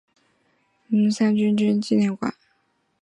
现已辟为红三军团建军纪念馆。